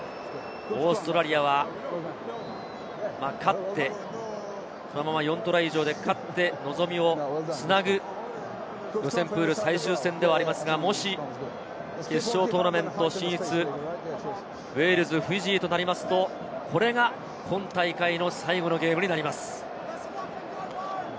オーストラリアは勝ってこのまま４トライ上で勝って望みをつなぐ予選プール最終戦ではありますが、もし決勝トーナメント進出、ウェールズ、フィジーとなると、これが今大会の最後のゲームになります。